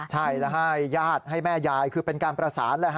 ใช่แล้วให้ญาติให้แม่ยายคือเป็นการประสาน